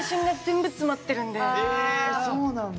えそうなんだ。